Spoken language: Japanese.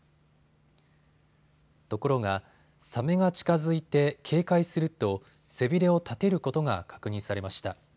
ところが、サメが近づいて警戒すると背びれを立てることが確認されました。